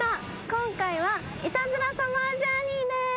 今回はイタズラサマージャーニーです。